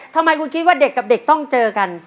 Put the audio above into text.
ทำไมคุณคิดว่าเด็กกับเด็กต้องเจอกัน